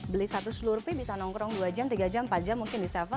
beli satu slorpy bisa nongkrong dua jam tiga jam empat jam mungkin di tujuh